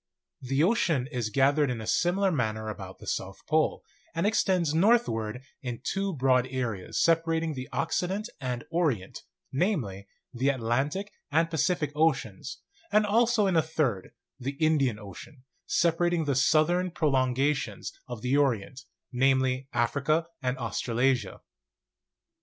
The ocean is 90 GEOLOGY gathered in a similar manner about the South Pole, and extends northward in two brjoad areas separating the Occident and Orient, namely, the Atlantic and Pacific Oceans, and also in a third, the Indian Ocean, separating the southern prolongations of the Orient, namely, Africa and Australasia.